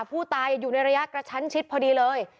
ผู้ตายอยู่ในระยะกระชั้นชิดพอดีเลย